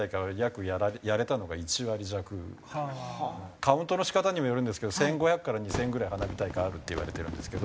カウントの仕方にもよるんですけど１５００から２０００ぐらい花火大会あるっていわれてるんですけど。